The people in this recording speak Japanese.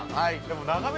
眺め